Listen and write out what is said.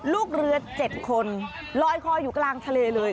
ลูกเรือ๗คนลอยคออยู่กลางทะเลเลย